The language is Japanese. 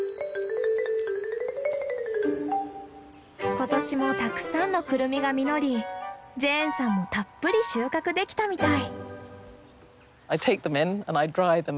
今年もたくさんのクルミが実りジェーンさんもたっぷり収穫できたみたい。